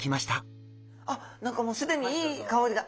あっ何かもう既にいい香りが。